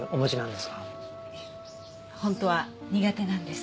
本当は苦手なんです。